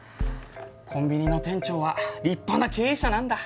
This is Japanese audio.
コンビニの店長は立派な経営者なんだ。